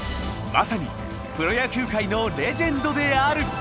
まさにプロ野球界のレジェンドである。